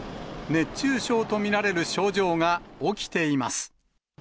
熱中症と見られる症状が起きています。